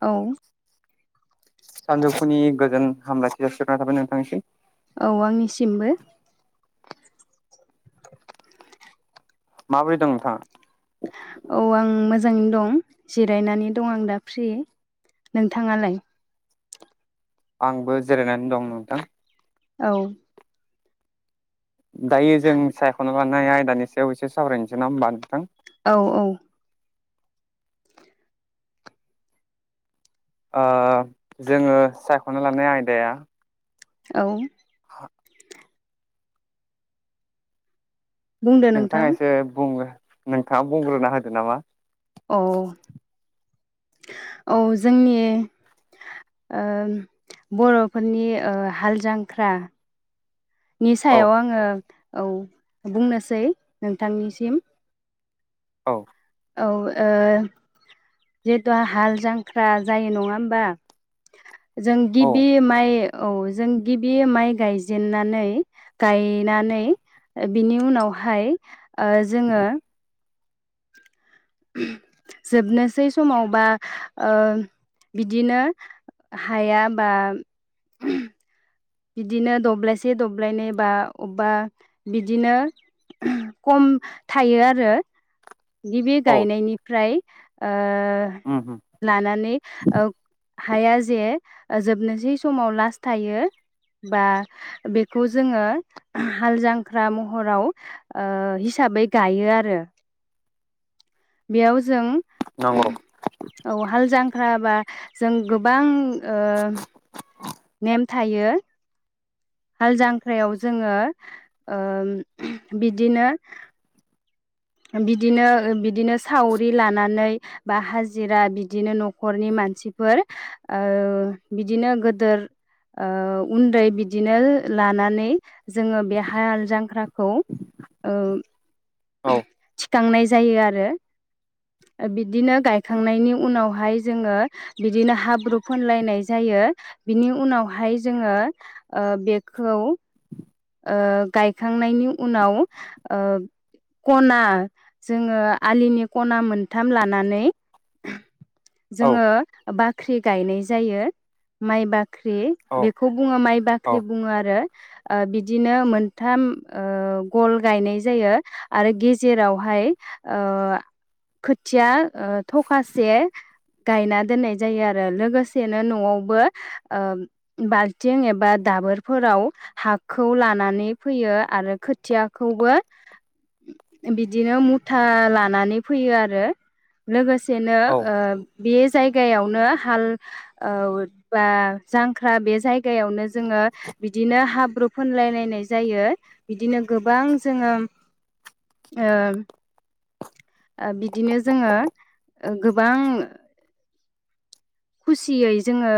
औ सानजौफुनि गोजोन हामलायनायखौ जासिहरनाय थाबाय नोंथांनि सिम। औ आंनिसिमबो। माबोरै दं नोंथाङा? औ आं मोजाङैनो दं जिरायनानै दं आं दा फ्रि नोंथाङालाय? आंबो जिरायनानै दं नोंथां। औ दायो जों सायखना लानाया आयदानि सायाव एसे सावरायनोसै नङा होमबा नोंथां? औ औ। ओ जोङो सायखना लानाय आयदाया औ [inaudible] बुंदो नोंथाङा नोंथां एसे बुंग्रो। नोंथाङा बुंग्रोना होदो नामा? औ औ जोंनि ओ बर'फोरनि हाल जांख्रा नि औ सायाव आङो औ बुंनोसै नोंथांनिसिम। औ औ ओ जिहेथु हाल जांख्रा जायो नङा होमबा? जों औ गिबि माइ औ जों गिबि माइ गायजेननानै गायनानै बिनि उनावहाय ओ जोङो जोबनोसै समाव बा ओ बिदिनो हाया बा बिदिनो दब्लायसे दब्लायनै बा अबेबा बिदिनो खम थायो आरो। गिबि औ गायनायनिफ्राय ओ उम उम लानानै ओ हाया जे जोबनोसै समाव लास्ट थायो। बा बेखौ जोङो हाल जांख्रा महराव ओ हिसाबै गायो आरो। बेयाव जों नंगौ औ हालजां फ्राबा जों गोबां ओ नेम थायो। हाल जांख्रायाव जोङो ओ बिदिनो बिदिनो बिदिनो सावरि लानानै बा हाजिरा बिदिनो नखरनि मानसिफोर ओ बिदिनो गोदोर ओ उन्दै बिदिनो लानानै जोङो बे हाल जांख्राखौ ओ। औ बिखांनाय जायो आरो बिदिनो गायखांनायनि उनावहाय जोङो बिदिनो हाब्रु फोनलायनाय जायो बिनि उनावहाय जोङो ओ बेखौ ओ गायखांनायनि उनाव ओ खना जोङो आलिनि खना मोनथाम लानानै औ जोङो बा ख्रि गायनाय जायो माइ बाख ख्रि औ औ बेखौ बुङो माइ औ बाख्रि बुङो आरो। ओ बिदिनो मोनथाम ओ गल गायनाय जायो आरो गेजेरावहाय ओ खोथिया ओ थखाासे गायना दोननाय जायो आरो लोगोसेनो नआवबो ओ बाल्थिं एबा दाबोरफोराव हा खौ लानानै फैयो आरो खोथियाखौबो बिदिनो मुथा लानानै फैयो आरो लोगोसे सेनो ओ बि जायगायावनो हाल ओ बा जांख्रा बे जायगायावनो जोङो बिदिनो हाब्रु फुनलायलायनाय जायो बिदिनो गोबां जोङो ओ बिदिनो जोङो गोबां खुसियै जोङो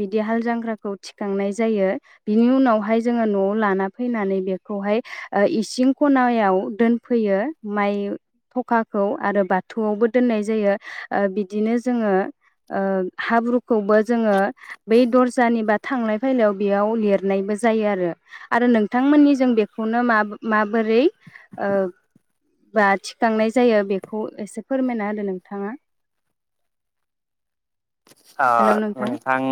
बिदि हाल जग्राखौ थिखांनाय जायो बिनि उनावहाय जोङो नआव लाना फैनानै बेखौहाय ओ इसिं खनायाव दोनफैयो माइ थखाखौ आरो बाथौआवबो दोननाय जायो ओ बिदिनो जोङो ओ हाब्रुखौबो जोङो बै दर्जानि बा थांलाय फैलायाव बेयाव लिरनायबो जायो आरो आरो नोंथांमोननि जों बेखौनो मा माबोरै ओ बा थिखांनाय जायो बेखौ एसे फोरमायना होदो नोंथाङा? अ नोंथां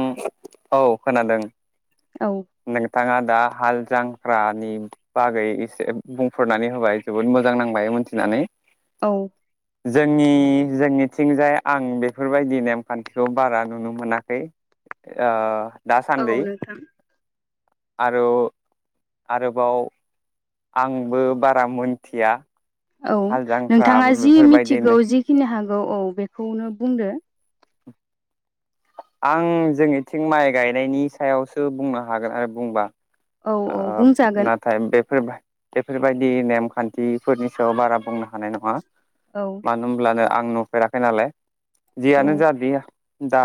औ खोनादों। औ थाङा दा हाल जांख्रानि बागै एसे बुंफोरनानै होबाय जोबोद मोजां नांबाय मोनथिनानै। औ जोंनि जोंनिथिंजाय आं बेफोरबायदि नेमखान्थिखौ बारा नुनो मोनाखै आ औ नोंथां। आर आरोबाव आंबो बारा मनथिया। औ नोंथाङा जि मिथिगौ जिखिनि हा औ औ बेखौनो बुंदो। आं जोंनिथिं माइ गायनायनि सायावसो बुंनो हागोन आरो बुंबा। औ औ बुंजागोन। बेफोरबा बेफोरबायदि नेमखान्थिफोरनि सायाव बारा बुंनो हानाय नङा। औ मानो होमब्लानो आं नुफेराखै नालाय। औ जियानो जादिया। दा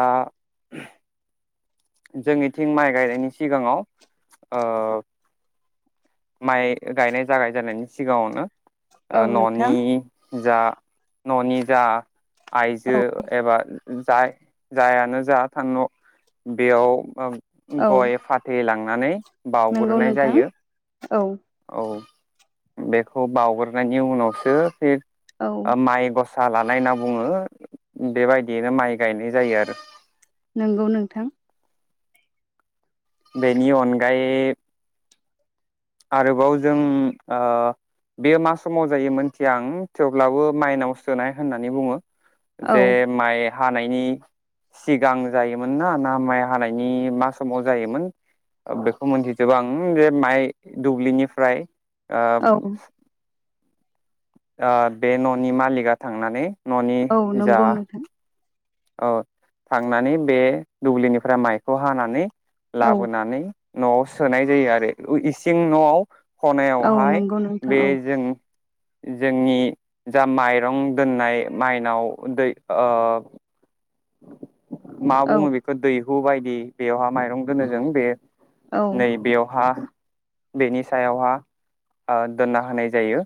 जोंनिथिं माइ गायनायनि सिगाङाव ओ माइ गायनाय जागाय जेननायनि सिगाङावनो। औ आ नोंथां ननि जा ननि जा आयजो एबा जाय जायानो जा थांन बेयाव औ गय फाथैलां नानै नंगौ बाउग्रोनाय नोंथां जायो औ औ। बेखौ बावग्रोनायनि उनावसो फैयो। औ ओ माइ गस साहा लानाय होनना बुङो बेबायदियैनो माइ गायनाय जायो आरो। नंगौ नोंथां। बेनि अनगायै आरोबाव जों ओ बेयो मा समाव जायो मोनथिया आं थेवब्लाबो माइनाव सोनाय होननानै बुङो औ जे माइ हानायनि सिगां जायोमोन ना ना माइ हानायनि मा समाव जायोमोन ओ बेखौ मिथिजोबा आं जे माइ दुब्लिनिफ्राय आ औ आ बे ननि मालिकआ थांनानै ननि औ जा नंगौ नोंथां औ थांनानै बे दुब्लिनिफ्राय माइखौ हानानै। औ लाबो नानै नआव सोनाय जायो आरो इसिं नआव औ खनायावहाय नंगौ नोंथां बे औ जों जोंनि जा माइरं दोननाय माइनाव दै ओ मा औ बुङो बेखौ दै दैहु बायदि बेयावहा माइरं दोनो जों बे औ नै बेयावहा बेनि सायावहा आ दोनना होनाय जायो।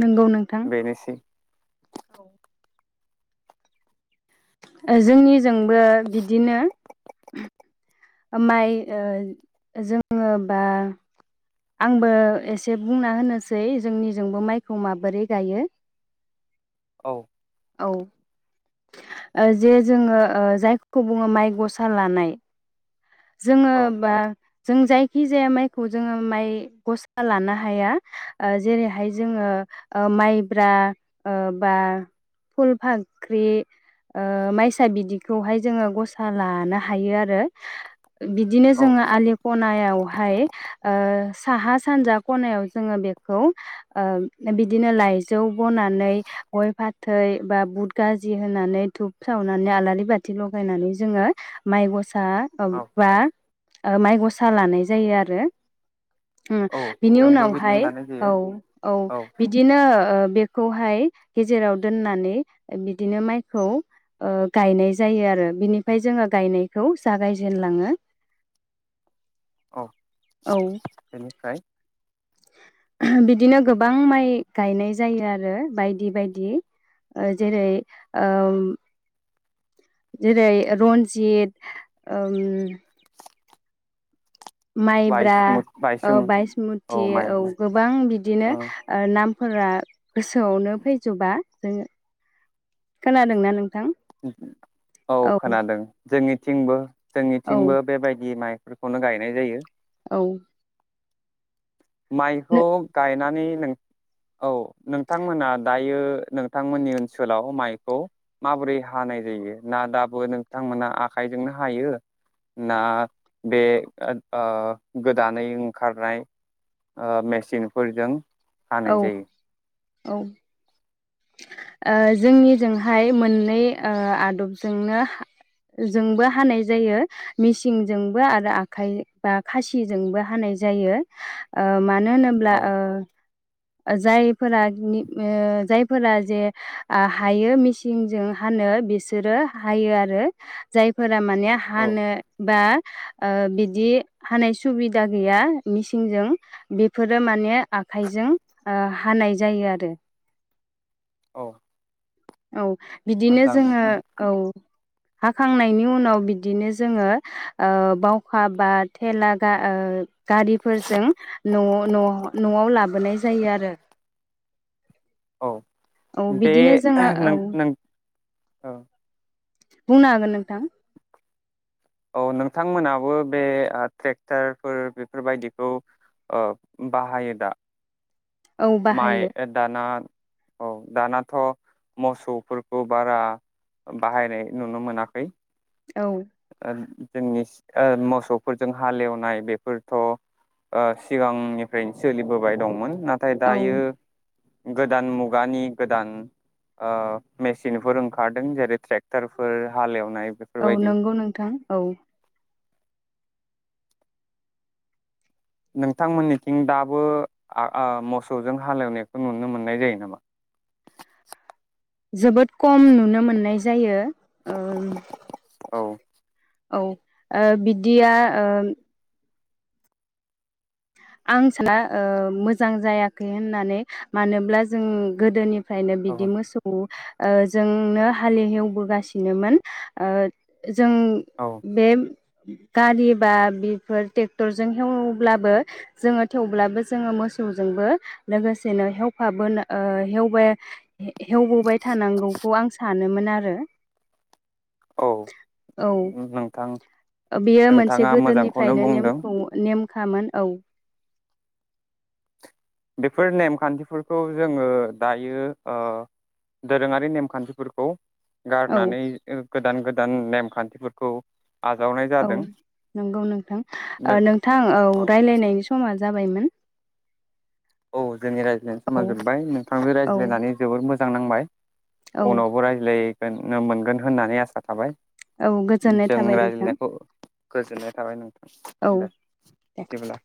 नंगौ नोंथां। बेनोसै औ जोंनिजोंबो बिदिनो। [inaudible] माइ ओ जोङो बा आंबो एसे बुंना होनोसै जोंनिजोंबो माइखौ माबोरै गायो। औ औ ओ जे जोङो ओ जायखौ बुङो माइ गसा लानाय। जोङो औ बा जों जायखि जाया माइखौ जोङो माइ गसा लानो हाया ओ जेरैहाय जोङो ओ माइब्रा ओ बा फुल फाख्रि ओ माइसा बिदिखौहाय जोङो गसा लानो हायो आरो बिदिनो औ जोङो आलि खनायावहाय ओ साहा सानजा खनायाव जोङो बेखौ ओ बिदिनो लाइजौ बनानै गय फाथै बा बुद गाजि होनानै धुप सावनानै आलारि बाथि लगायनानै जोङो माइ गस सा ओ औ माइ गसा लानाय जायो आरो। उम औ बिनि जोंबो बिदिनो उनावहाय लानाय औ जायो औ बिदिनो ओ बेखौहाय गेजेराव दोननानै बिदिनो माइखौ ओ गायनाय जायो आरो बिनिफ्राय जोङो गायनायखौ जागायजेनलाङो। [unintelligible] औ औ बेनिफ्राय बिदिनो गोबां माइ गायनाय जायो आरो बायदि बायदि ओ जेरै ओ जेरै रन्जित ओम माइब्रा बायसमुथ औ बायसुमुथ बायसमुथि औ गोबां बिदिनो औ ओ नाम फोरा गोसोआवनो फैजोबा। जो खोनादोंना नों औ खोनादों जोंनि थिंबो औ जोंनिथिंबो बेबायदि माइ बेफोरखौनो गायनाय जायो। औ नो माइखौ गायनानै औ नोंथांमोना दायो नोंथांमोननि ओनसोलाव माइखौ माबोरै हानाय जायो? ना दाबो नोंथांमोना आखाइजोंनो हायो ना बे ओ गोदानै ओंखारनाय ओ मेसिनफोरजों औ हानाय जायो। औ ओ जोंनिजोंहाय मोननै ओ आदबजोंनो हा जोंबो हानाय जायो मिसिंजोंबो आरो आखाइ बा खासिजोंबो हानाय जायो ओ मानो मानो होनोब्ला औ ओ जाय फोरा [unintelligible] जाय फोरा जे ओ हायो मेसिनजों हानो बिसोरो हायो आरो जायफोर [unintelligible] माने औ हानो बा ओ बिदि हानाय सुबिदा गैया मेसिनजों बेफोरो माने आखाइजों ओ हानाय जायो आरो। औ औ बिदिनो मोजां जोङो नोंथां औ। हाखांनायनि उनाव बिदिनो जोङो ओ बावखा बा थेला गा ओ गारिफोरजों न'-न'-न'आव लाबोनाय जायो आरो। औ औ बे बिदिनो जोङो औ नों-नों औ। बुंनो हागोन नोंथां। औ नोंथांमोनहाबो बे ओ ट्रेक्टरफोर बेफोरबायदिखौ ओ बाहायो दा? औ माइ बाहायो ए दाना औ दानाथ' मोसौफोरखौ बारा बाहायनाय नुनो मोनाखै। औ जोंनि ओ मोसौफोरजों हालेवनाय बेफोरथ ओ सिगांनिफ्रायनो सोलिबोबाय दंमोन। नाथाय औ दायो गोदान मुगानि गोदान ओ मेसिनफोर ओंखारदों जेरै ट्रेक्टरफोर हालेव नाय बेफोरबायदि। थां औ। नोंथांमोननिथिं दाबो आ आ मसौजों हालेवनायखौ नुनो मोननाय जायो नामा? जोबोद खम नुनो मोननाय जायो ओम औ औ ओ बिदिया ओ आं साना ओ मोजां जायाखै होननानै मानोब्ला जों गोदोनि फ्रायनो बिदि औ मोसौ ओ जोंनो हाल हेवबोगासिनोमोन ओ जों औ बे गारि बा बेफोर ट्रेक्टरजों हेवब्लाबो जोङो थेवब्लाबो जोङो मोसौजोंबो लोगोसेनो हेवफाबोनो ओ हेवबाय हेवबोबाय थानांगौखौ आं सानोमोन। दा आरो। औ औ नोंथां। बेयो मोनसे नोंथाङा मोजांखौनो गोदोनिफ्रायनो बुंदों नेमखौ नेम खामोन औ। बेफोर नेमखान्थिफोरखौ जोङो दायो ओ दोरोङारि नेमखान्थिफोरखौ। औ गारनानै ओ गोदान गोदान नेमखान्थिफोरखौ। आजावनाय औ जादों नंगौ नोंथां, ओ नों नोंथां औ रायलायनायनि समा जाबायमोन। औ जोंनि रायज्लायनो औ समा जोबबाय नोंथांजों औ रायज्लायनानै जोबोर मो जां नांबाय। औ उनावबो रायज्लाय मोनगोन होननानै आसा थाबाय। औ गोजोननाय जों थाबाय नोंथां रायज्लायनायखौ गोजोननाय थाबाय औ नोंथां दे दे बिदिब्ला।